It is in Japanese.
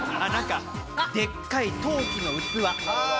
でっかい陶器の器。